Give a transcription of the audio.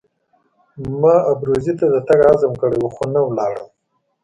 ما ابروزي ته د تګ عزم کړی وو خو نه ولاړم.